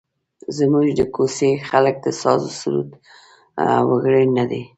زموږ د کوڅې خلک د سازوسرور وګړي نه دي.